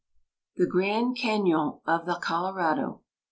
] THE GRAND CAÑON OF THE COLORADO.